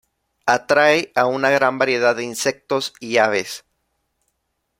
Atrae a una gran variedad de insectos y aves.